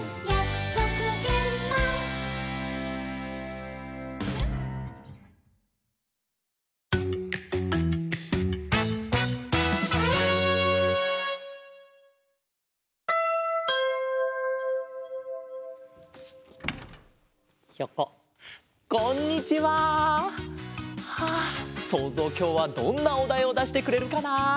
きょうはどんなおだいをだしてくれるかな？